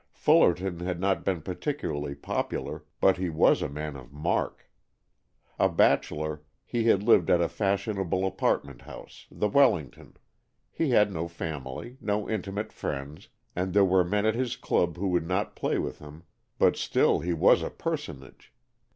Fullerton had not been particularly popular, but he was a man of mark. A bachelor, he had lived at a fashionable apartment house, the Wellington; he had no family, no intimate friends, and there were men at his club who would not play with him, but still he was a personage.